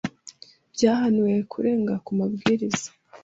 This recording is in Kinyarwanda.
byahaniwe kurenga ku mabwiriza